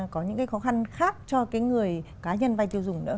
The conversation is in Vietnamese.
có những cái khó khăn khác cho cái người cá nhân vay tiêu dùng nữa